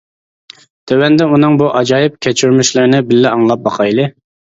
تۆۋەندە ئۇنىڭ بۇ ئاجايىپ كەچۈرمىشلىرىنى بىللە ئاڭلاپ باقايلى.